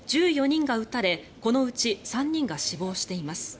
１４人が撃たれこのうち３人が死亡しています。